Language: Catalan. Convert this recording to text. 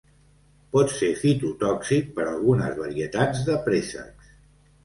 Pot ser fitotòxic per algunes varietats de préssecs.